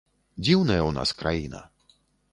Дзіўная ў нас краіна.